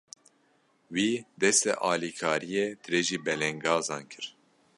Wî, destê alîkariyê dirêjî belengazan kir.